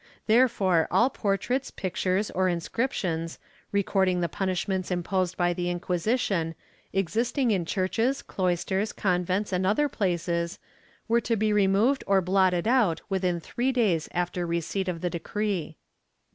There fore all portraits, pictures, or inscriptions, recording the punish ments imposed by the Inquisition, existing in churches, cloisters, convents and other places, were to be removed or blotted out within three days after receipt of the decree.